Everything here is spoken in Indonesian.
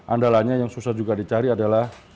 andalanya yang susah juga dicari adalah